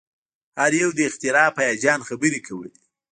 هر یو د اختراع په هیجان خبرې کولې